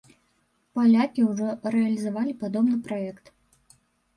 Палякі ўжо рэалізавалі падобны праект.